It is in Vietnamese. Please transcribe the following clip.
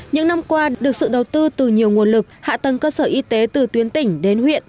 những năm qua được sự đầu tư từ nhiều nguồn lực hạ tầng cơ sở y tế từ tuyến tỉnh đến huyện